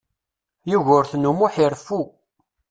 Yugurten U Muḥ ireffu.